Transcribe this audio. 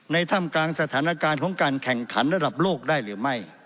ถ้ำกลางสถานการณ์ของการแข่งขันระดับโลกได้หรือไม่